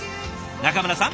中村さん